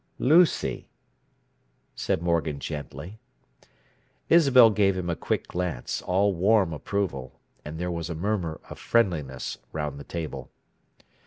"Lucy," said Morgan gently. Isabel gave him a quick glance, all warm approval, and there was a murmur of friendliness round the table.